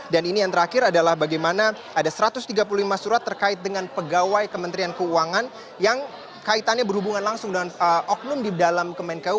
dan ini yang terakhir adalah bagaimana ada satu ratus tiga puluh lima surat terkait dengan pegawai kementerian keuangan yang kaitannya berhubungan langsung dengan oklum di dalam kemenkeu